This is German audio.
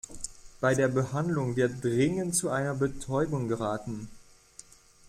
Bei der Behandlung wird dringend zu einer Betäubung geraten.